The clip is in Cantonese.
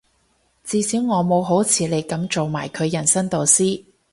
至少我冇好似你噉做埋佢人生導師